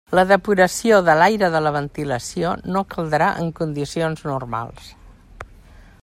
La depuració de l'aire de la ventilació no caldrà en condicions normals.